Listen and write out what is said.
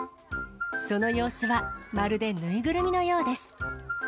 その様子は、まるで縫いぐるみのようです。